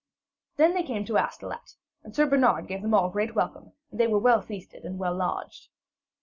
Then they came to Astolat, and Sir Bernard gave them all great welcome, and they were well feasted and well lodged.